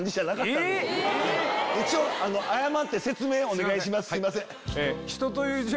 一応謝って説明お願いします。